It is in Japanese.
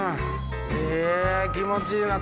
え気持ちいいな。